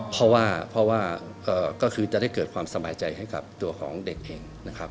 เพราะว่าจะได้เกิดความสมาธิใจให้กับตัวของเด็กเอง